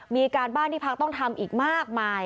มีการบ้านที่พักต้องทำอีกมากมาย